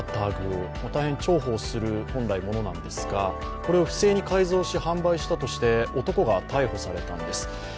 本来、大変重宝するものなんですがこれを不正に改造し販売したとして、男が逮捕されたんです。